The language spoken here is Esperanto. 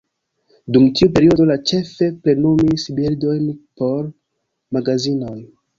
Dum tiu periodo, li ĉefe plenumis bildojn por magazinoj.